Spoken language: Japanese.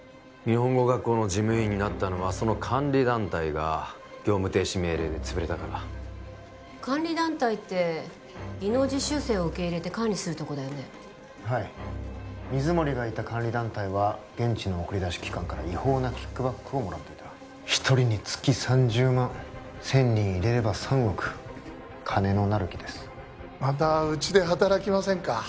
日本語学校の事務員になったのはその監理団体が業務停止命令で潰れたから監理団体って技能実習生を受け入れて管理するとこだよねはい水森がいた監理団体は現地の送り出し機関から違法なキックバックをもらっていた１人につき３０万千人入れれば３億金のなる木ですまたうちで働きませんか？